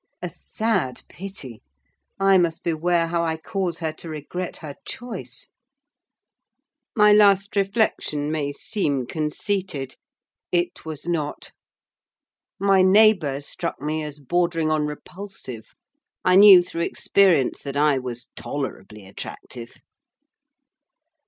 A sad pity—I must beware how I cause her to regret her choice." The last reflection may seem conceited; it was not. My neighbour struck me as bordering on repulsive; I knew, through experience, that I was tolerably attractive.